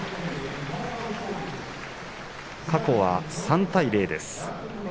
過去は３対０です。